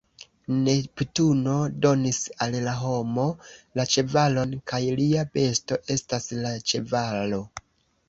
Neptuno donis al la homo la ĉevalon, kaj lia besto estas la ĉevalo.